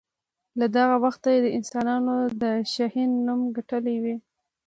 له دغه وخته یې د انسانانو د شهین نوم ګټلی وي.